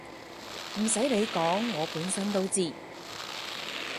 唔洗你講我本身都知